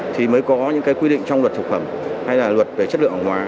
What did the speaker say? thì mới có những quy định trong luật thực phẩm hay là luật về chất lượng hàng hóa